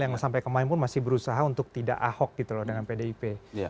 yang sampai kemarin pun masih berusaha untuk tidak ahok gitu loh dengan pdip